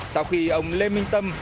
sau khi ông lê minh tâm